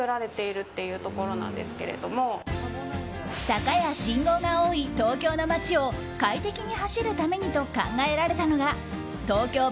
坂や信号が多い東京の街を快適に走るためにと考えられたのがトーキョー